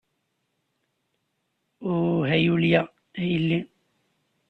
Uh, a Julia, a yelli!